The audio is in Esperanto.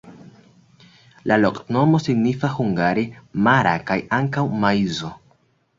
La loknomo signifas hungare: mara kaj ankaŭ maizo.